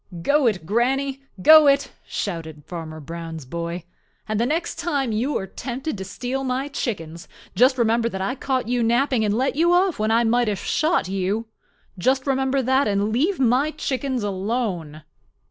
"Go it, Granny! Go it!" shouted Farmer Brown's boy. "And the next time you are tempted to steal my chickens, just remember that I caught you napping and let you off when I might have shot you. Just remember that and leave my chickens alone."